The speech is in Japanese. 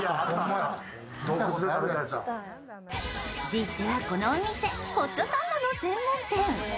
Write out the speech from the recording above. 実はこのお店、ホットサンドの専門店。